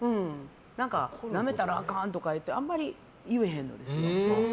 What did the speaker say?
なめたらあかんってあんまり言えへんですよ。